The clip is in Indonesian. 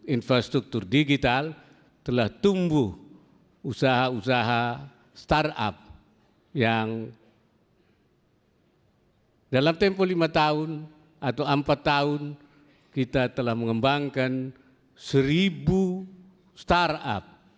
infrastruktur digital telah tumbuh usaha usaha startup yang dalam tempo lima tahun atau empat tahun kita telah mengembangkan seribu startup